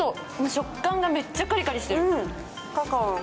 食感がめっちゃカリカリしてる。